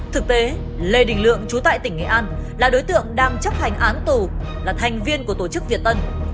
thực tế lê đình lượng trú tại tỉnh nghệ an là đối tượng đang chấp hành án tù là thành viên của tổ chức việt tân